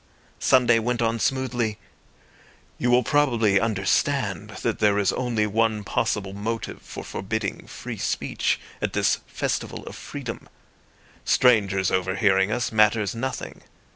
Sunday went on smoothly— "You will probably understand that there is only one possible motive for forbidding free speech at this festival of freedom. Strangers overhearing us matters nothing.